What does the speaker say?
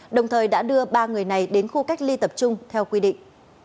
đồng thời đã đưa ba người này đến khu cách ly tập trung theo quy định